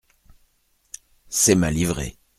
C’est ma livrée.